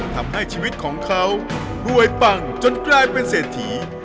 ทำให้ชีวิตของเขารวยปังจนกลายเป็นเศรษฐี